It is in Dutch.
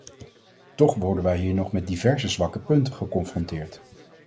Toch worden wij hier nog met diverse zwakke punten geconfronteerd.